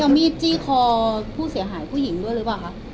เห็นว่ามีอมีดจี้คอผู้เสียหายผู้หญิงด้วยรึเปล่าคะ